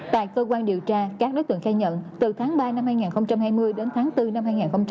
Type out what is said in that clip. tại cơ quan điều tra các đối tượng khai nhận từ tháng ba năm hai nghìn hai mươi đến tháng bốn năm hai nghìn hai mươi